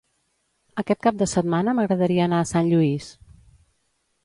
Aquest cap de setmana m'agradaria anar a Sant Lluís.